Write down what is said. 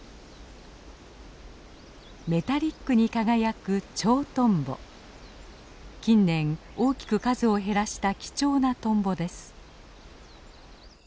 メタリックに輝く近年大きく数を減らした貴重なトンボです。